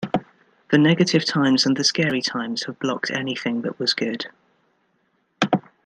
The negative times and the scary times have blocked anything that was good ...